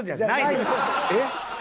えっ？